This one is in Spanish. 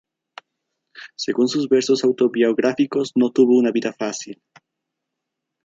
Según sus versos autobiográficos no tuvo una vida fácil.